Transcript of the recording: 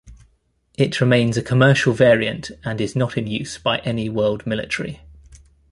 It remains a commercial variant and is not in use by any world military.